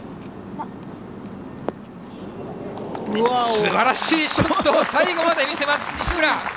すばらしいショットを最後まで見せます、西村。